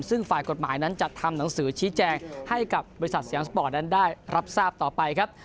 ซึ่งฝ่ายกฎหมายนั้นจะทำหนังสือชี้แจงให้กับบริษัทสยามสปอร์ตนั้นได้รับทราบต่อไปครับ